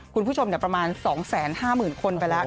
คุณผู้ชมประมาณ๒๕๐๐๐คนไปแล้ว